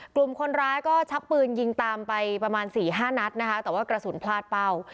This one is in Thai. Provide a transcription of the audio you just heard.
กลุ่มคนร้ายก็ชักปืนยิงตามไปประมาณสี่ห้านัดนะคะแต่ว่ากระสุนพลาดเป้า